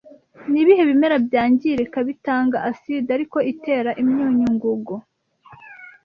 Ni ibihe bimera byangirika bitanga aside irike itera imyunyu ngugu